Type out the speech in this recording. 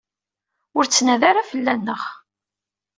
Ur ttnadi ara fell-aneɣ.